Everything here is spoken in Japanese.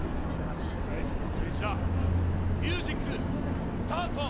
それじゃあミュージックスタート！